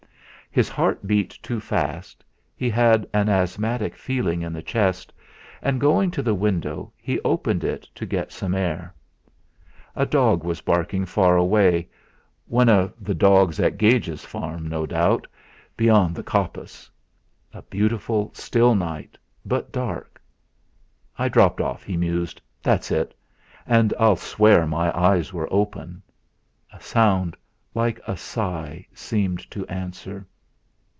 His heart beat too fast, he had an asthmatic feeling in the chest; and going to the window, he opened it to get some air. A dog was barking far away, one of the dogs at Gage's farm no doubt, beyond the coppice. A beautiful still night, but dark. 'I dropped off,' he mused, 'that's it! And yet I'll swear my eyes were open!' A sound like a sigh seemed to answer.